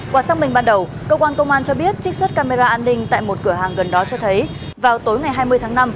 quả xác minh ban đầu cơ quan công an cho biết trích xuất camera an ninh tại một cửa hàng gần đó cho thấy vào tối ngày hai mươi tháng năm